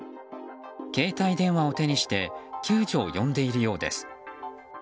携帯電話を手にして救助を呼んでいるようです。